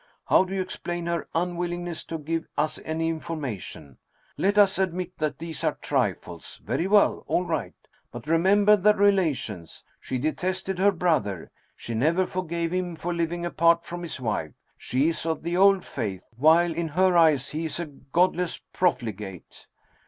How do you explain her unwillingness to give us any information ? Let us admit that these are trifles. Very well! All right! But remember their relations. She de tested her brother. She never forgave him for living apart from his wife. She is of the Old Faith, while in her eyes he is a godless profligate.